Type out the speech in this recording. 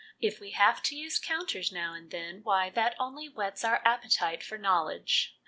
If we have to use counters now and then, why, that only whets our appetite for knowledge.